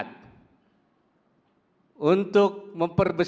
bagus lah lampu jahing